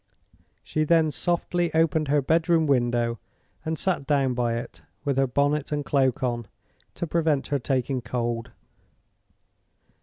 She then softly opened her bedroom window and sat down by it, with her bonnet and cloak on, to prevent her taking cold.